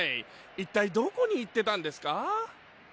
一体どこに行ってたんですか？